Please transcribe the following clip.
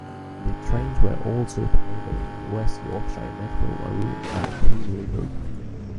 The trains were also painted in West Yorkshire Metro maroon and cream livery.